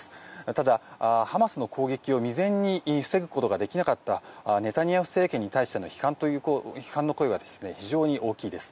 ただ、ハマスの攻撃を未然に防ぐことができなかったネタニヤフ政権に対しての批判の声が非常に大きいです。